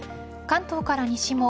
関東から西も